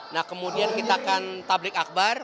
nah kemudian kita akan tablik akbar